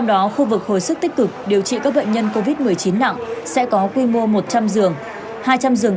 trong đó khu vực hồi sức tích cực điều trị các bệnh nhân covid một mươi chín nặng sẽ có quy mô một trăm linh giường